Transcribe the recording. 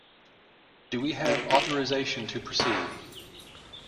Do we have authorisation to proceed?